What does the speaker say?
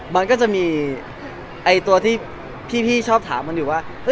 มันก็จะมีตัวที่พี่ชอบถามมันอยู่ว่า